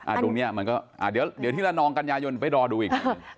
ตรงนี้มันก็อ่าเดี๋ยวที่ละนองกันยายนไปรอดูอีก